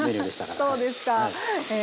そうですかへえ。